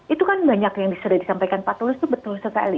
itu kan banyak yang sudah disampaikan pak tulus itu betul sekali